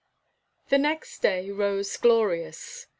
The next day rose glorious.